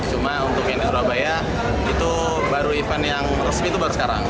cuma untuk yang di surabaya itu baru event yang resmi itu baru sekarang